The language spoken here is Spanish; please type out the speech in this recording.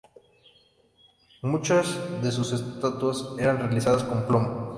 Muchas de sus estatuas eran realizadas con plomo.